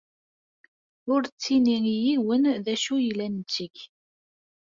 Ur ttini i yiwen d acu ay la ntteg.